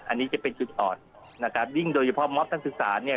อันนี้จะเป็นจุดอ่อนนะคะยิ่งโดยเฉพาะเนี้ย